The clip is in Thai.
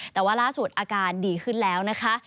แต่ว่าล่าสุดอาการดีขึ้นแล้วนะคะ